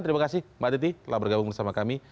terima kasih mbak titi telah bergabung bersama kami